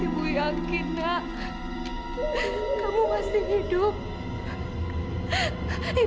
ibu yakin kamu masih hidup nak